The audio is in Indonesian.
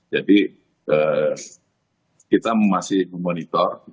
jadi kita masih memonitor